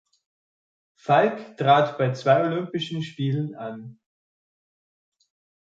Falck trat bei zwei Olympischen Spielen an.